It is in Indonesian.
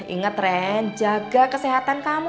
ingat ren jaga kesehatan kamu